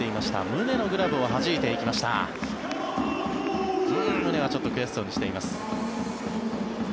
宗はちょっと悔しそうにしています。